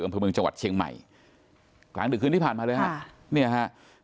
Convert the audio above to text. อำเภอเมืองจังหวัดเชียงใหม่กลางดึกคืนที่ผ่านมาเลยฮะค่ะเนี่ยฮะ